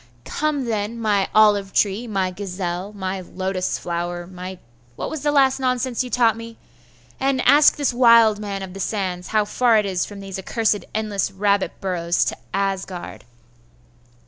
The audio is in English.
'Come, then, my olive tree, my gazelle, my lotus flower, my what was the last nonsense you taught me? and ask this wild man of the sands how far it is from these accursed endless rabbit burrows to Asgard.